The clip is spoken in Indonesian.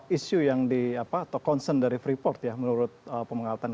isu yang di apa atau concern dari freeport ya menurut pemenangan